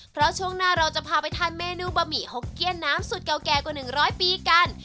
เพราะช่วงหน้าเราจะพาไปทานเมนูบะหมี่หกเกี้ยนน้ำสุดเก่าแก่กว่า๑๐๐ปีกัน